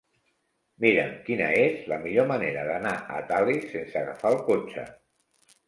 Mira'm quina és la millor manera d'anar a Tales sense agafar el cotxe.